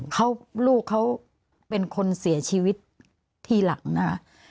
เขาลูกเขาเป็นคนเสียชีวิตทีหลังนะคะ